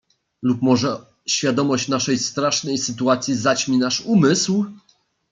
"Lub może świadomość naszej strasznej sytuacji zaćmi nasz umysł?"